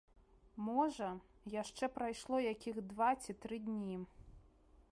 Можа, яшчэ прайшло якіх два ці тры дні.